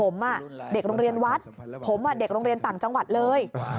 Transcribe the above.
ผมเด็กโรงเรียนวัดผมเด็กโรงเรียนต่างจังหวัดเลย